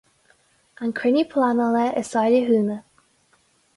An cruinniú pleanála i Saile Thúna.